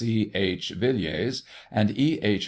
C. H. Villiers, and E. H.